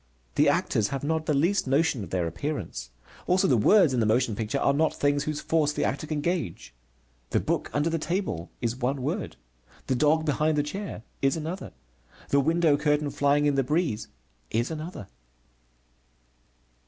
The actors have not the least notion of their appearance. Also the words in the motion picture are not things whose force the actor can gauge. The book under the table is one word, the dog behind the chair is another, the window curtain flying in the breeze is another.